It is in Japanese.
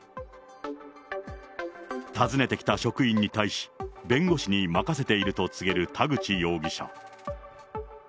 訪ねてきた職員に対し、弁護士に任せていると告げる田口容疑者。